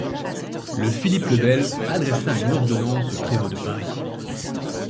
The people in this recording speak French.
Le Philippe le Bel adressa une ordonnance au prévôt de Paris.